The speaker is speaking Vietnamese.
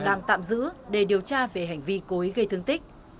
đang tạm giữ để điều tra về hành vi cối gây thương tích